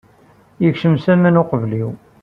Yekcem s aman uqbel-iw.